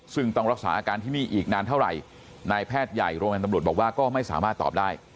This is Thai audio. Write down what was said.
ซึ่งต้องรักษาอาการที่นี่อีกนานเท่าไหร่นายแพทย์ใหญ่โรงพยาบาลตำรวจบอกว่าก็ไม่สามารถตอบได้